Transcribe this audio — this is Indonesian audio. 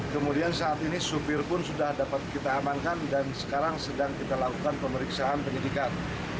kemudian saat ini supir pun sudah dapat kita amankan dan sekarang sedang kita lakukan pemeriksaan penyidikan